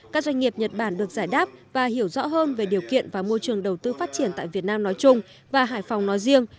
các doanh nghiệp nhật bản được giải đáp và hiểu rõ hơn về điều kiện và môi trường đầu tư phát triển tại việt nam nói chung và hải phòng nói riêng